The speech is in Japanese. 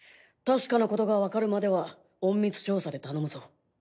確かなことがわかるまでは隠密調査で頼むぞ。